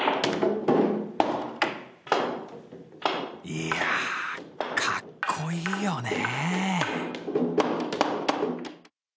いや、かっこいいよね。